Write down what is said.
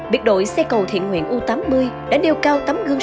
biệt đội xây cầu thiện nguyện u tám mươi đã nêu cao tấm gương